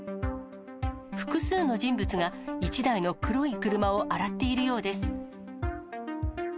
複数の人物が、１台の黒い車を洗っているようです。